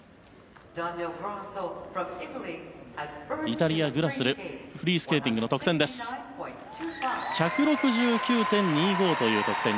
イタリア、グラスルフリースケーティングの得点。